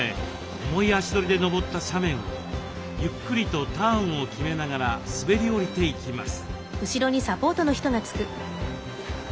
重い足取りで登った斜面をゆっくりとターンを決めながら滑り降りていきます。